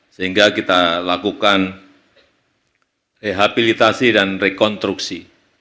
sehingga kita lakukan rehabilitasi dan rekonstruksi